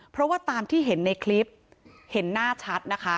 เพราะว่าตามที่เห็นในคลิปเห็นหน้าชัดนะคะ